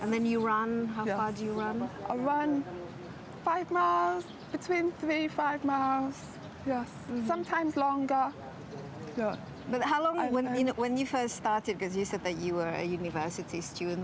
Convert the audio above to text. hasilnya lebih intens